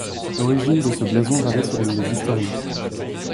L'origine de ce blason varie selon les historiens.